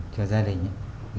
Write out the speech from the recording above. cho gia đình